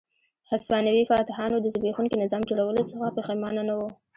هسپانوي فاتحانو د زبېښونکي نظام جوړولو څخه پښېمانه نه وو.